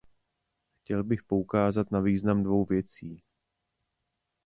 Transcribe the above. Chtěl bych poukázat na význam dvou věcí.